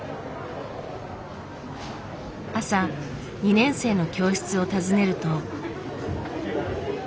朝２年生の教室を訪ねると。